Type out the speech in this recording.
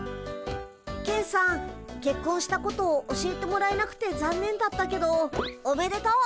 ケンさんけっこんしたこと教えてもらえなくてざんねんだったけどおめでとう。